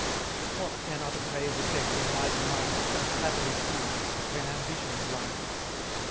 What cannot praise effect in mighty minds, When flattery soothes, and when ambition blinds?